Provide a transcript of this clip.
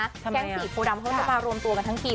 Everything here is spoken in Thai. แก๊งสี่โพดำเขาจะมารวมตัวกันทั้งที